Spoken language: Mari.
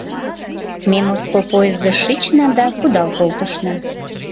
Ме Моско поездыш шична да кудал колтышна.